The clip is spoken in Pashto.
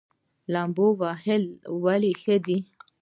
لامبو وهل ولې ښه دي؟